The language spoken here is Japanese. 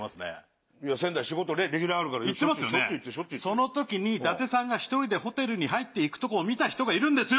その時に伊達さんが１人でホテルに入って行くとこを見た人がいるんですよ。